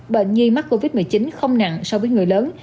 bệnh nhi mắc covid một mươi chín không nặng so với người lớn